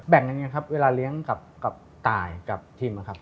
แบ่งกันยังไงครับเวลาเลี้ยงกับตายกับทีม